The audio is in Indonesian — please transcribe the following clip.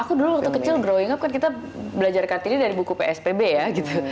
aku dulu waktu kecil growing up kan kita belajar kartini dari buku pspb ya gitu